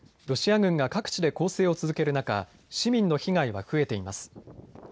ロシア軍が各地で攻勢を続ける中、市民の被害は増えています。